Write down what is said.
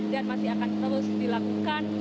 dan masih akan terus dilakukan